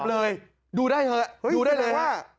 เลยดูได้เถอะดูได้เลยว่า